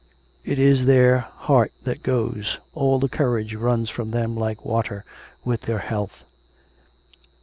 It is their heart that goes — all the courage runs from them like water, with their health.